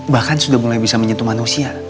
bahkan sudah mulai bisa menyentuh manusia